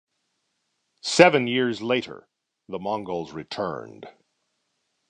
Seven years later, the Mongols returned.